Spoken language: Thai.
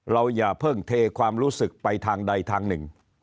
อย่าเพิ่งเทความรู้สึกไปทางใดทางหนึ่ง